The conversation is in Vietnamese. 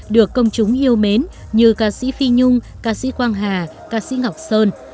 được công chúng yêu mến như ca sĩ phi nhung ca sĩ quang hà ca sĩ ngọc sơn